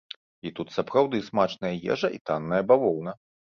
І тут сапраўды смачная ежа і танная бавоўна.